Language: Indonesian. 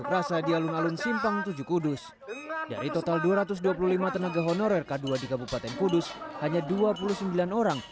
presiden saat ini tidak berpihak pada guru honorer